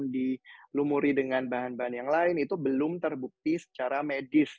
dilumuri dengan bahan bahan yang lain itu belum terbukti secara medis